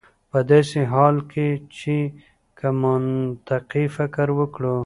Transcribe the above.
په داسې حال کې چې که منطقي فکر وکړو